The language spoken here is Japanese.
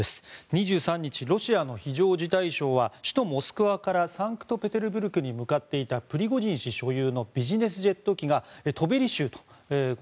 ２３日、ロシアの非常事態省は首都モスクワからサンクトペテルブルクに向かっていたプリゴジン氏所有のビジネスジェット機がトベリ州